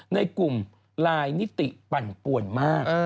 ในกลุ่มไลน์นิติปั่นป่วนมาก